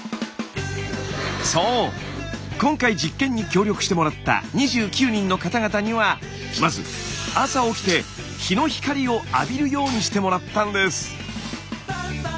そう今回実験に協力してもらった２９人の方々にはまず朝起きて日の光を浴びるようにしてもらったんです。